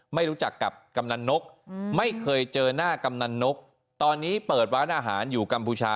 ไม่รู้จักกับกำนันนกไม่เคยเจอหน้ากำนันนกตอนนี้เปิดร้านอาหารอยู่กัมพูชา